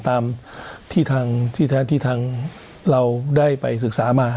ตามที่ทางเราได้ไปศึกษามา